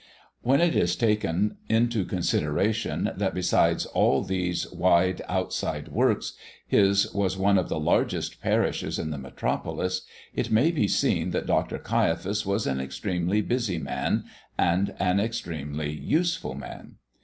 When it is taken into consideration that besides all these wide outside works, his was one of the largest parishes in the metropolis, it may be seen that Dr. Caiaphas was an extremely busy man and an extremely useful man.